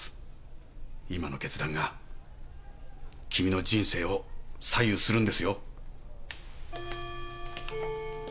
今の決断が君の人生を左右するんですよ。